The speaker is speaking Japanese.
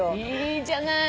いいじゃない。